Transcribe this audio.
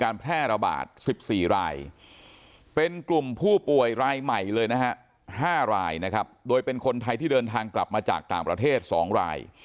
รายใหม่เลยนะฮะ๕รายนะครับโดยเป็นคนไทยที่เดินทางกลับมาจากต่างประเทศ๒ราย